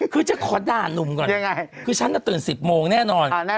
คือฉันก็ตืน๑๐โมงแน่นอน